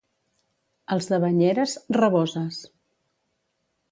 Els de Banyeres, raboses.